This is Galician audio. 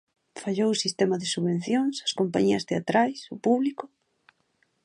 Fallou o sistema de subvencións, as compañías teatrais, o público?